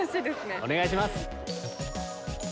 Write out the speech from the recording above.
お願いします。